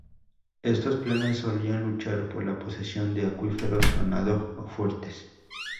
Estos clanes solían luchar por la posesión de acuíferos, ganado o fuertes.